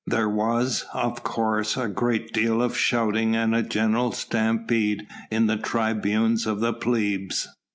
There was, of course, a great deal of shouting and a general stampede in the tribunes of the plebs.